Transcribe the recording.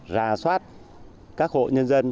ra soát các hộ nhân dân